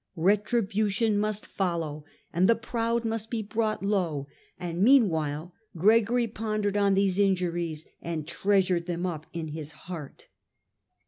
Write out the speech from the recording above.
Retribution must follow and the proud must be brought low : and meanwhile Gregory pondered on these injuries and treasured them up in his heart.